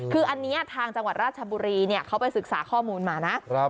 คืออันนี้ทางจังหวัดราชบุรีเขาไปศึกษาข้อมูลมานะ